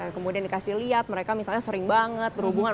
kemudian dikasih lihat mereka misalnya sering banget berhubungan